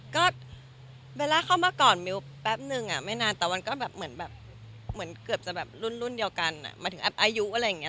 ก็เมลาเข้ามาก่อนมิวแปบนึงอ่ะไม่นานนะแต่วันก็แบบมั้งแบบเหมือนเกือบจะแบบรุ่นเดียวกันมาถึงอายุอะไรเงี้ยท